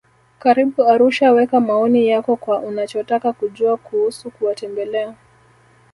Karibu Arusha weka maoni yako kwa unachotaka kujua kuusu kuwatembelea